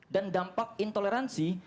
dan dampak intoleransi